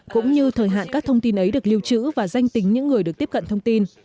cũng như thời hạn các thông tin ấy được lưu trữ và danh tính những người được tiếp cận thông tin